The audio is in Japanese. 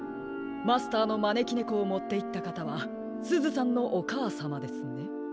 マスターのまねきねこをもっていったかたはすずさんのおかあさまですね？